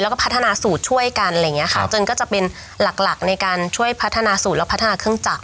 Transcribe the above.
แล้วก็พัฒนาสูตรช่วยกันอะไรอย่างเงี้ยค่ะจนก็จะเป็นหลักหลักในการช่วยพัฒนาสูตรและพัฒนาเครื่องจักร